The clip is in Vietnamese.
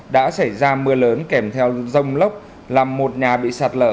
đã xảy ra mưa lớn kèm theo rông lốc làm một nhà bị sạt lở